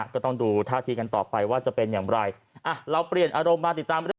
ก็ต้องดูท่าทีกันต่อไปว่าจะเป็นอย่างไรเราเปลี่ยนอารมณ์มาติดตามเรื่อง